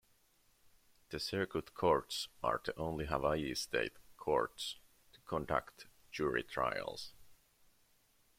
The Circuit Courts are the only Hawaii state courts to conduct jury trials.